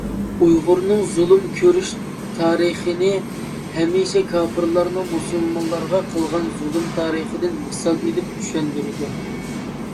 ئۇيغۇرنىڭ زۇلۇم كۆرۈش تارىخىنى ھەمىشە كاپىرلارنىڭ مۇسۇلمانلارغا قىلغان زۇلۇم تارىخىدىن مىسال ئېلىپ چۈشەندۈرىدۇ.